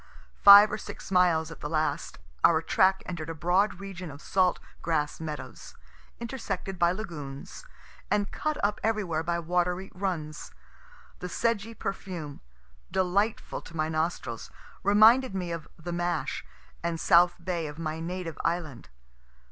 Five or six miles at the last, our track enter'd a broad region of salt grass meadows, intersected by lagoons, and cut up everywhere by watery runs. The sedgy perfume, delightful to my nostrils, reminded me of "the mash" and south bay of my native island.